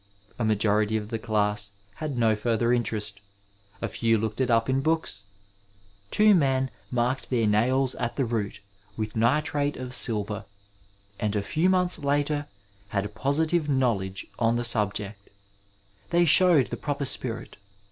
A majorit7 of the class had no further interest ; a few looked it up in books ; two men marked their nails at the root with nitrate of silver, and a few months later had positive knowledge on the subject. Th67 showed the proper spirit.